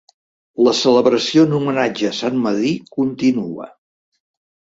La celebració en homenatge a sant Medir continua.